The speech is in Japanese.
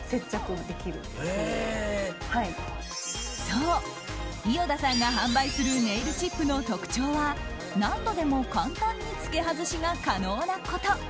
そう、伊與田さんが販売するネイルチップの特徴は何度でも簡単につけ外しが可能なこと。